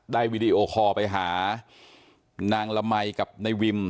วีดีโอคอลไปหานางละมัยกับนายวิม